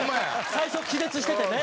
最初気絶しててね。